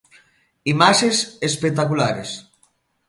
Imaxes espectaculares.